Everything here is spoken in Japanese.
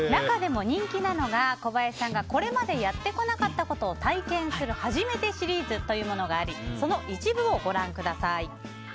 中でも小林さんがこれまで体験してこなかったことをやる初めてシリーズというものがありその一部をご覧ください。